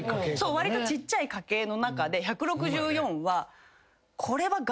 わりとちっちゃい家系の中で１６４はこれは。